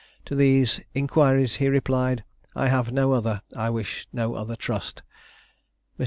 To these inquiries he replied, "I have no other, I wish no other trust." Mr.